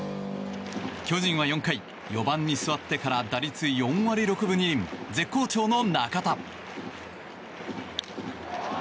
巨人は４回４番に座ってから打率４割６分２厘絶好調の中田。